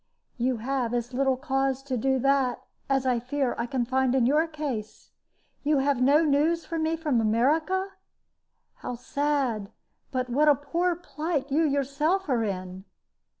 "You have as little cause to do that as I fear I can find in your case. You have no news for me from America? How sad! But what a poor plight you yourself are in!"